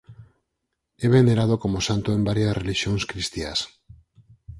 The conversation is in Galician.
É venerado como santo en varias relixións cristiás.